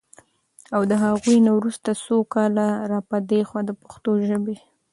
او د هغوی نه وروسته څو کاله را پدې خوا د پښتو ژبې